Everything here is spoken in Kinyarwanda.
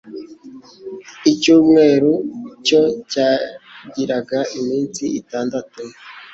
Icyumweru cyo cyagiraga iminsi itandatu,